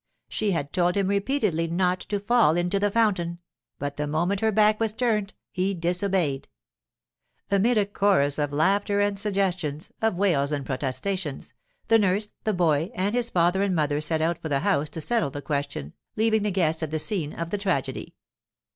She had told him repeatedly not to fall into the fountain, but the moment her back was turned he disobeyed. Amid a chorus of laughter and suggestions, of wails and protestations, the nurse, the boy, and his father and mother set out for the house to settle the question, leaving the guests at the scene of the tragedy.